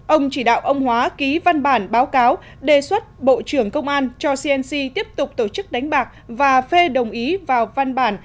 ông chỉ đạo ông hóa ký văn bản báo cáo đề xuất bộ trưởng công an cho cnc tiếp tục tổ chức đánh bạc và phê đồng ý vào văn bản